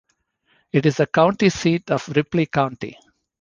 It is the county seat of Ripley County.